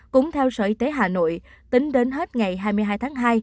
cũng theo sở y tế hà nội tính đến hết ngày hai mươi hai tháng hai